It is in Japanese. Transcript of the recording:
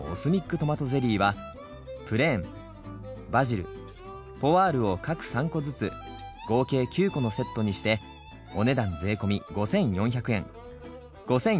トマトゼリーはプレーンバジルポワールを各３個ずつ合計９個のセットにして商品番号２番。